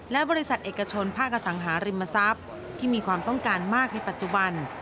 และบริษัทเอกชนภาคอสังหาริมทรัพย์ที่มีความต้องการมากในปัจจุบัน